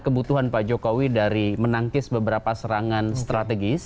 kebutuhan pak jokowi dari menangkis beberapa serangan strategis